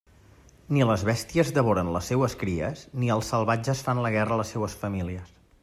Ni les bèsties devoren les seues cries, ni els salvatges fan la guerra a les seues famílies.